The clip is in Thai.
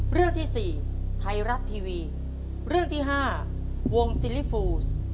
เรื่องที่สี่ไทยรัฐทีวีเรื่องที่ห้าวงซิลิฟูส